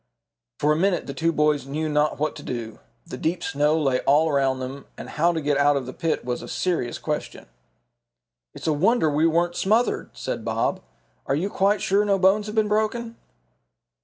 For a minute the two boys knew not what to do. The deep snow lay all around them and how to get out of the pit was a serious question. "It's a wonder we weren't smothered," said Bob. "Are you quite sure no bones have been broken?"